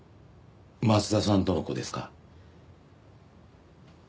松田さんとの子ですか？